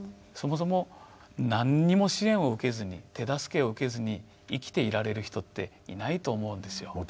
そもそも何にも支援を受けずに手助けを受けずに生きていられる人っていないと思うんですよ。